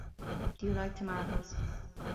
Do you like tomatoes?